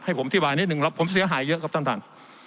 ผมอธิบายนิดนึงแล้วผมเสียหายเยอะครับท่านท่าน